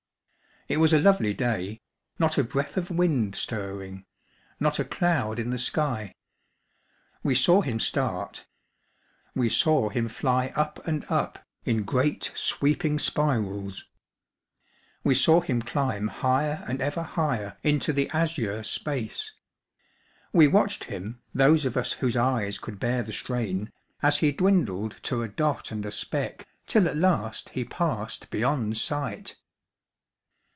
It was a lovely day, not a breath of wind stirring, not a cloud in the sky. We saw him start. We saw him fly up and up in great sweeping spirals. We saw him climb higher and ever higher into the azure space. We watched him, those of us whose eyes could bear the strain, as he dwindled to a dot and a speck, till at last he passed beyond sight.